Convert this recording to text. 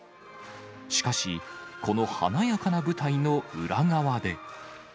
しかし、この華やかな舞台の裏側で。